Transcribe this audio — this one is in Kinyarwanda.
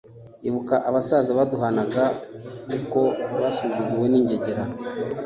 ibuka abasaza baduhanaga uko basuzuguwe n’ingegera